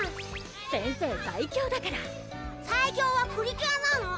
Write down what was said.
先生最強だから最強はプリキュアなの！